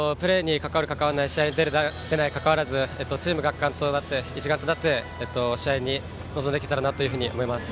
プレーに関わる、関わらない試合に出る出ないに関わらずチーム学館、一丸となって試合に臨めたらなと思います。